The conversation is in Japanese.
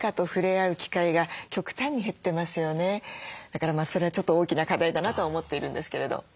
だからそれはちょっと大きな課題だなと思っているんですけれど。